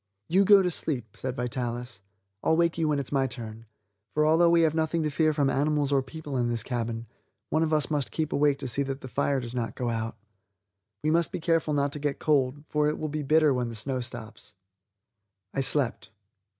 "You go to sleep," said Vitalis; "I'll wake you when it's my turn, for although we have nothing to fear from animals or people in this cabin, one of us must keep awake to see that the fire does not go out. We must be careful not to get cold, for it will be bitter when the snow stops." I slept.